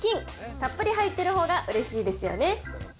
たっぷり入ってるほうがうれしいですよね。